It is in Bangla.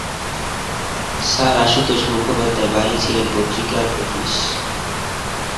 স্যার আশুতোষ মুখোপাধ্যায়ের বাড়ি ছিল পত্রিকার অফিস।